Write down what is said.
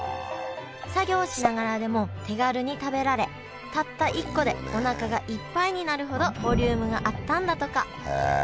作業しながらでも手軽に食べられたった一個でおなかがいっぱいになるほどボリュームがあったんだとかへえ。